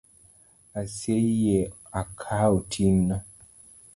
Aseyie akawo ting’ni